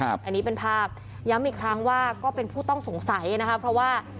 อันนี้เป็นภาพย้ำอีกครั้งว่าก็เป็นผู้ต้องสงสัยนะคะเพราะว่า